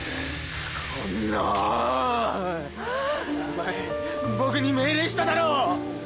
お前僕に命令しただろ！